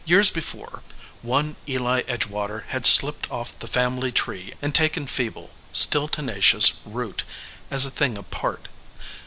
Years before, one Eli Edgewater had slipped off the Family Tree and taken feeble, still tenacious, root as a thing apart.